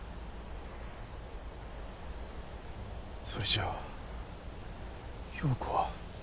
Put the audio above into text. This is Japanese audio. それじゃあ葉子は。